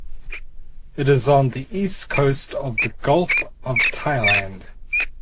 It is on the east coast of the Gulf of Thailand.